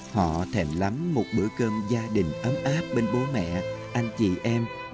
họ thèm lắm một bữa cơm gia đình ấm áp bên bố mẹ anh chị em